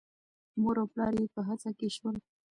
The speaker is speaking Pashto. مور او پلار یې په هڅه کې شول.